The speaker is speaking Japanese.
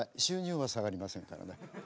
収入は下がりませんからね。